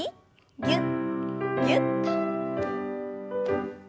ぎゅっぎゅっと。